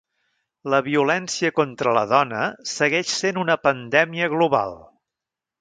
La violència contra la dona segueix sent una pandèmia global.